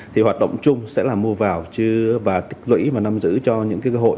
thì hoạt động chung sẽ là mua vào và tích lưỡi và nắm giữ cho những cơ hội